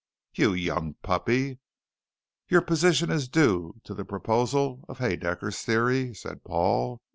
"You young puppy " "Your position is due to the proposal of Haedaecker's Theory," said Paul.